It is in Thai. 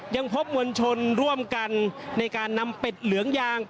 ยังพบมวลชนร่วมกันในการนำเป็ดเหลืองยาง